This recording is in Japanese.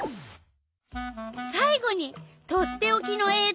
さい後にとっておきのえい